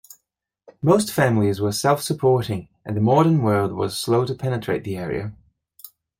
Most families were self-supporting, and the modern world was slow to penetrate the area.